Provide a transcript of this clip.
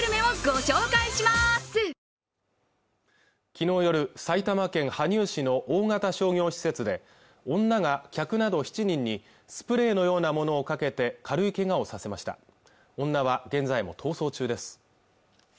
昨日夜、埼玉県羽生市の大型商業施設で女が客など７人にスプレーのようなものをかけて軽いけがをさせました女は現在も逃走中です